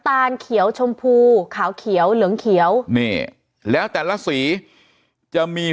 ตานเขียวชมพูขาวเขียวเหลืองเขียวนี่แล้วแต่ละสีจะมี